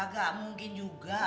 gak mungkin juga